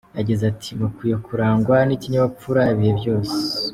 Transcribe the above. Yagize ati “Mukwiye kurangwa n’ikinyabupfura ibihe byose.